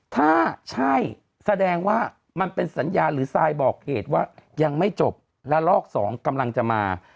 ถ้าใช่แสดงว่ามันเป็นสัญญาหรือทรายบอกเหตุว่ายังไม่จบและลอกสองกำลังจะมา